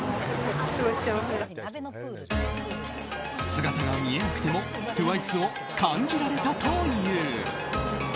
姿が見えなくてもＴＷＩＣＥを感じられたという。